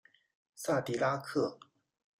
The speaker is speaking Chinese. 萨迪拉克。